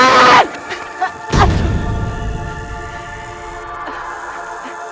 kenapa gue jadi merinding ya